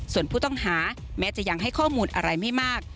ส่วนผู้ต้องหาแม้จะยังให้ข้อมูลอะไรไม่มาก